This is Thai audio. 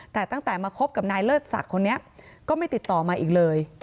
แต่ตั้งแต่มาคบกับนายเลิศศักดิ์คนนี้ก็ไม่ติดต่อมาอีกเลย